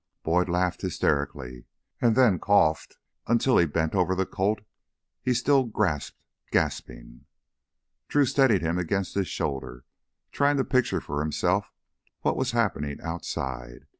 Boyd laughed hysterically, and then coughed, until he bent over the Colt he still grasped, gasping. Drew steadied him against his shoulder, trying to picture for himself what was happening outside.